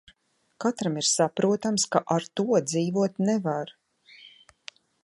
Katram ir saprotams, ka ar to dzīvot nevar.